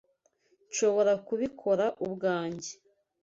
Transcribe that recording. Nshobora kubikora ubwanjye.